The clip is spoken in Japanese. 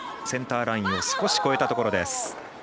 センターラインを少し越えたところ。